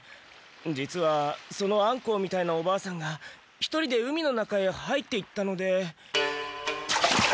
実はそのアンコウみたいなおばあさんが一人で海の中へ入っていったので。